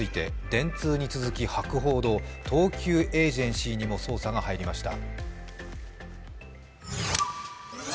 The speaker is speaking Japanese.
電通に続き博報堂、東急エージェンシーにも捜査が入りました。